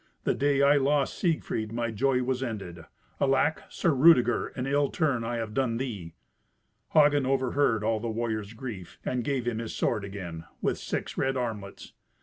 The day I lost Siegfried my joy was ended. Alack! Sir Rudeger, an ill turn I have done thee." Hagen overheard all the warrior's grief, and gave him his sword again, with six red armlets.